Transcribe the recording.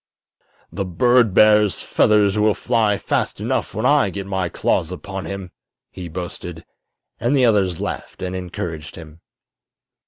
"The bird bear's feathers will fly fast enough when I get my claws upon him!" he boasted; and the others laughed and encouraged him.